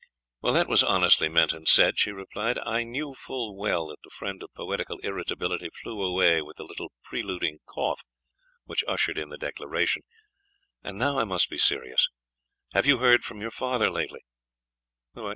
"That was honestly meant and said," she replied; "I knew full well that the fiend of poetical irritability flew away with the little preluding cough which ushered in the declaration. And now I must be serious Have you heard from your father lately?"